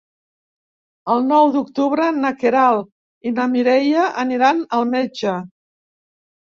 El nou d'octubre na Queralt i na Mireia aniran al metge.